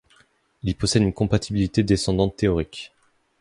Il possède une compatibilité descendante théorique.